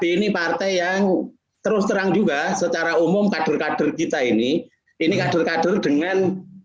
ini partai yang terus terang juga secara umum kader kader kita ini ini kader kader dengan